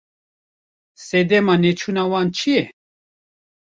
Sedema neçûna wan çi ye?